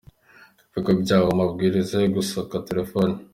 Ibigo byahawe amabwiriza yo gusaka telefoni.